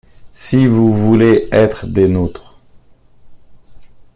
Si vous voulez être des nôtres?...